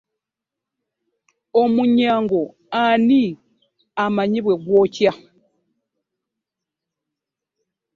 Omwennyango ani amanyi bwe gwokya?